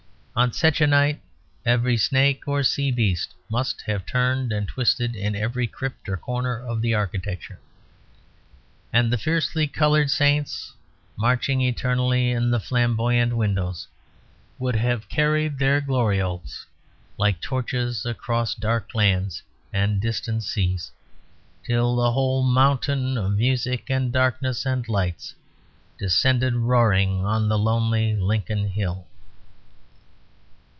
On such a night every snake or sea beast must have turned and twisted in every crypt or corner of the architecture. And the fiercely coloured saints marching eternally in the flamboyant windows would have carried their glorioles like torches across dark lands and distant seas; till the whole mountain of music and darkness and lights descended roaring on the lonely Lincoln hill.